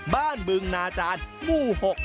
บ้านเบื้องนาจารย์มู่หก